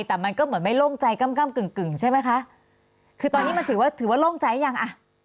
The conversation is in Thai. แต่มันก็เหมือนไม่โล่งใจก้ำก้ำกึ่งกึ่งใช่ไหมคะคือตอนนี้มันถือว่าถือว่าโล่งใจยังอ่ะ